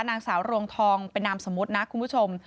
นางสาวรวงทองเป็นนามสมมุตินะคุณผู้ชม